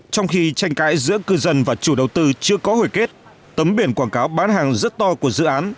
trong khi tranh cãi giữa cư dân và chủ đầu tư chưa có hồi kết tấm biển quảng cáo bán hàng rất to của dự án